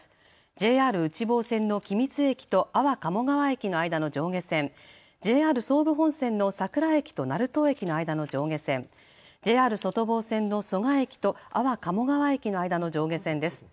ＪＲ内房線の君津駅と安房鴨川駅の間の上下線、ＪＲ総武本線の佐倉駅と成東駅の間の上下線、ＪＲ外房線の蘇我駅と安房鴨川駅の間の上下線です。